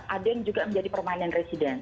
ada yang juga menjadi permainan resident